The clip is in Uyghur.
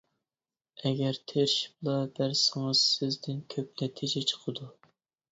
ئەگەر تىرىشىپلا بەرسىڭىز سىزدىن كۆپ نەتىجە چىقىدۇ.